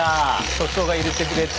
所長が入れてくれた。